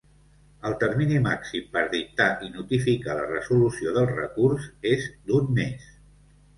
El termini màxim per dictar i notificar la resolució del recurs és d'un mes.